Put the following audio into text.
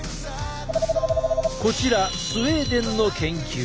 こちらスウェーデンの研究。